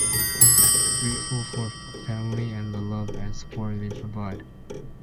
I am grateful for my family and the love and support they provide.